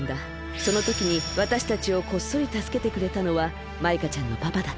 そのときにわたしたちをこっそりたすけてくれたのはマイカちゃんのパパだった。